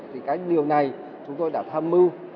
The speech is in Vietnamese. thì cái điều này chúng tôi đã tham mưu